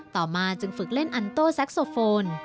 ต่อมาจึงฝึกเล่นอันโต้แซ็กโซโฟน